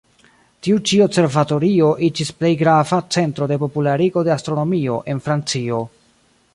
Tiu-ĉi observatorio iĝis plej grava centro de popularigo de astronomio en Francio.